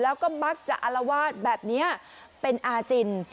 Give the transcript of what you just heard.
แล้วก็มักจะอารวาสแบบนี้เป็นอาจิน